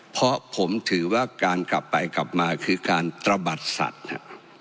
เพราะผมถือว่าการกลับไปกลับมาคือการตระบัดสัตว์ฮะ